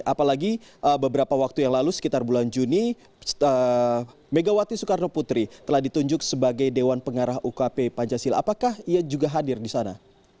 apalagi beberapa waktu yang lalu sekitar bulan juni megawati soekarno putri telah ditunjuk sebagai dewan pengarah ukp pancasila apakah ia juga hadir di sana